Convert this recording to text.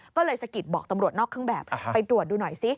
ก็เลยสะกิดบอกตำรวจนอกเครื่องแบบไปตรวจดูหน่อยซิ